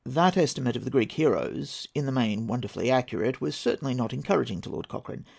That estimate of the Greek heroes—in the main wonderfully accurate—was certainly not encouraging to Lord Cochrane.